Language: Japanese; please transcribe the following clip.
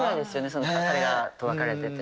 その方がと別れてて。